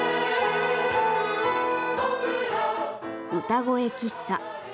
歌声喫茶。